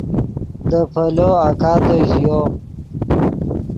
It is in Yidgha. دے پیلو آکادے ژیو